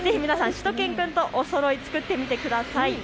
しゅと犬くんとおそろい、作ってみてください。